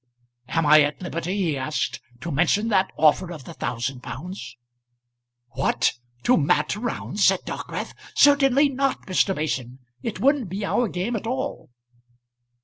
"Am I at liberty," he asked, "to mention that offer of the thousand pounds?" "What to Mat Round?" said Dockwrath. "Certainly not, Mr. Mason. It wouldn't be our game at all."